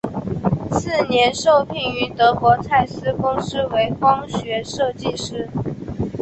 次年受聘于德国蔡司公司为光学设计师。